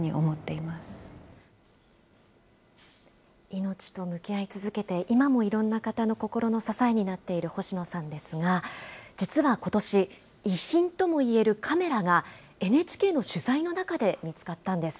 命と向き合い続けて、今もいろんな方の心の支えになっている星野さんですが、実はことし、遺品ともいえるカメラが、ＮＨＫの取材の中で見つかったんです。